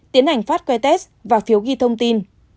tiến hành phát que test và phiếu ghi thông tin